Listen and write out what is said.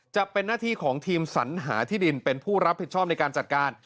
จะเป็นหน้าที่ของทีมสัญหาที่ดินเป็นผู้รับผิดชอบในการจัดการ